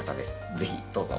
ぜひどうぞ。